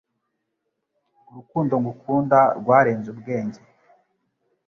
Urukundo ngukunda rwarenze ubwenge